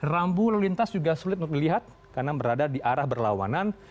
rambu lalu lintas juga sulit untuk dilihat karena berada di arah berlawanan